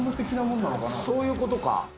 そういうことか。